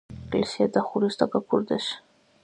ეკლესია დახურეს და გაქურდეს.